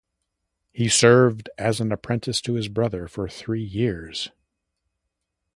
He served as an apprentice to his brother for three years.